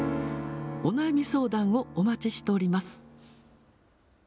お悩み相談をお待ちしております。